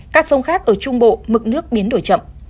các sông khác ở trung bộ mực nước biến đổi chậm